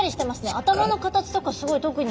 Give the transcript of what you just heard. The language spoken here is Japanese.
頭の形とかすごい特に。